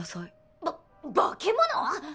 ばっ化け物！？